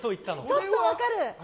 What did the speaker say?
私、ちょっと分かる。